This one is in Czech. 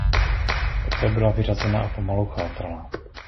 Poté byla vyřazena a pomalu chátrala.